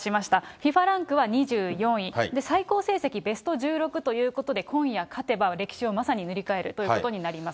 ＦＩＦＡランクは２４位、最高成績ベスト１６ということで、今夜、勝てば、歴史をまさに塗り替えるということになります。